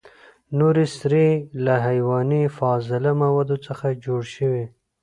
نورې سرې له حیواني فاضله موادو څخه جوړ شوي دي.